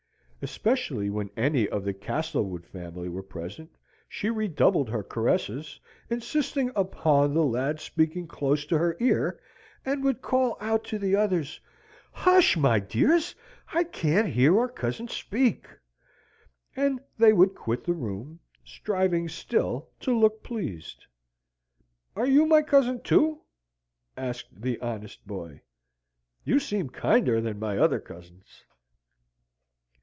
Especially when any of the Castlewood family were present, she redoubled her caresses, insisted upon the lad speaking close to her ear, and would call out to the others, "Hush, my dears! I can't hear our cousin speak." And they would quit the room, striving still to look pleased. "Are you my cousin, too?" asked the honest boy. "You see kinder than my other cousins."